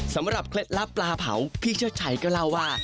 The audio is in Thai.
สำหรับเคล็ดลับปลาเผาพี่เช่าชัยก็เล่าว่า